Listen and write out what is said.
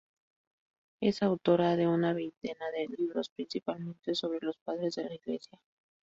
Es autora de una veintena de libros, principalmente sobre los Padres de la Iglesia.